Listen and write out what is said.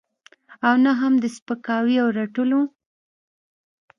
او نه هم د سپکاوي او رټلو.